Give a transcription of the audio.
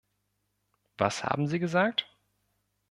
Was haben Sie gesagt?